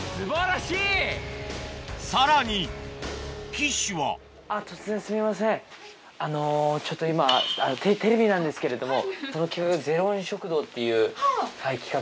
さらに岸はあのちょっと今テレビなんですけれども。